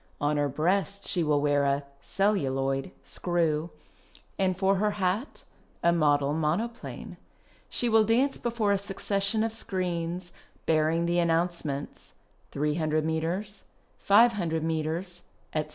On her breast she will wear a (celluloid) screw, and for her hat a model monoplane. She will dance before a succession of screens, bearing the announcements 300 metres, 500 metres, etc.